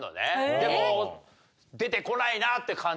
でも出てこないなって感じ。